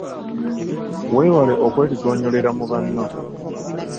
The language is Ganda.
Weewale okwetigoonyolera mu banno.